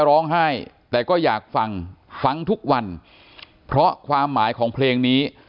ร้องไห้แต่ก็อยากฟังฟังทุกวันเพราะความหมายของเพลงนี้